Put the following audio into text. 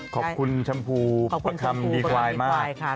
ขอบคุณชัมภูปะคำดีไกรมาก